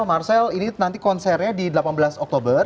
marcel ini nanti konsernya di delapan belas oktober